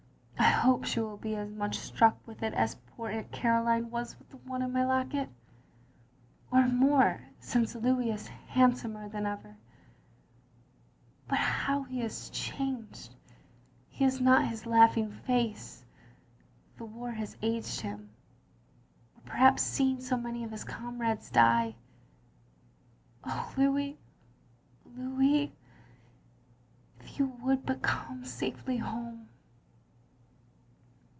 I hope she will be as much struck with it as poor Aunt Caroline was with the one in my locket. Or more, since Louis is handsomer than ever. But how he is changed — ^it is not his laughing face. The war has aged him — or perhaps seeing so many of his comrades die. Oh, Louis, Louis — ^if you would but come safely home.